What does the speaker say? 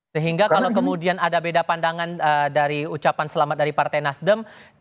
sehingga kalau kemudian ada beda pandangan dari ucapan selamat dari partai nasdem